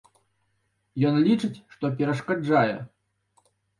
Ён лічыць, што перашкаджае.